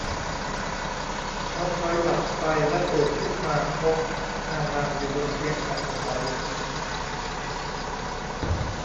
เขาผล็อยหลับไปและตื่นขึ้นมาพบฮานันอยู่บนเตียงของเขา